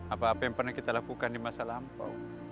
apa apa yang pernah kita lakukan di masa lampau